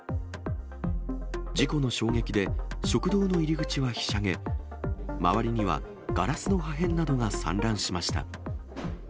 事故の衝撃で、食堂の入り口はひしゃげ、周りにはガラスの破片などが散乱しました。